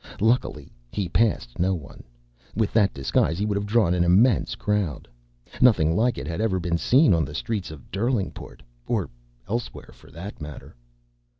Luckily he passed no one. With that disguise he would have drawn an immense crowd. Nothing like it had ever been seen on the streets of Derlingport or elsewhere, for that matter.